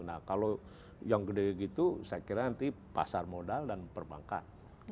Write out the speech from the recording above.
nah kalau yang gede gitu saya kira nanti pasar modal dan perbankan